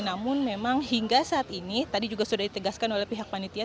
namun memang hingga saat ini tadi juga sudah ditegaskan oleh pihak panitia